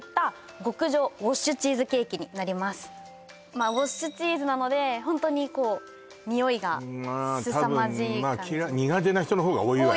まあウォッシュチーズなのでホントにこうニオイがたぶん苦手な人の方が多いわよね